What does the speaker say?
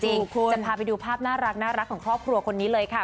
จะพาไปดูภาพน่ารักของครอบครัวคนนี้เลยค่ะ